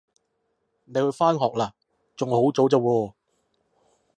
你去返學喇？仲好早咋喎